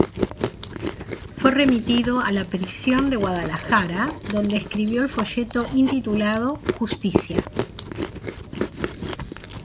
Fue remitido a la prisión de Guadalajara, donde escribió el folleto intitulado "¡Justicia!